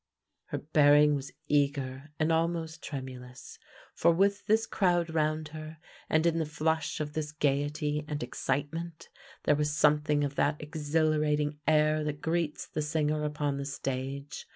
Her bearing was eager and almost tremulous, for, with this crowd round her and in the flush of this gaiety and excitement, there was something of that exhilarating air that greets the singer upon the stage.